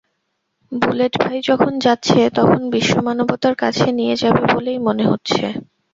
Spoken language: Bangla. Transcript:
বুলেট ভাই যখন যাচ্ছে তখন বিশ্বমানবতার কাছে নিয়ে যাবে বলেই মনে হচ্ছে।